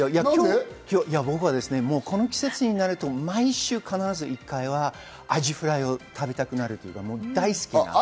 僕はこの季節になると毎週、必ず１回はアジフライを食べたくなるほど大好きなんです。